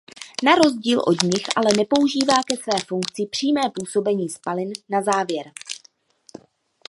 Na rozdíl od nich ale nepoužívá ke své funkci přímé působení spalin na závěr.